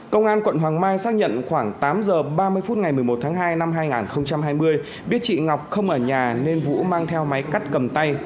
công an quận hoàng mai xác nhận khoảng tám h ba mươi phút ngày một mươi một tháng hai năm hai nghìn hai mươi biết chị ngọc không ở nhà nên vũ mang theo máy cắt cầm tay